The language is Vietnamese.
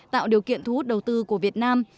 tạo điều kiện thu hút đầu tư của việt nam